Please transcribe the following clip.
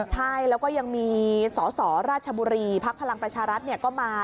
ใช่แล้วก็ยังมีสสราชบุรีภักดิ์พลังประชารัฐก็มา